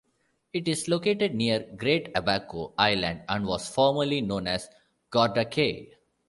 It is located near Great Abaco Island and was formerly known as Gorda Cay.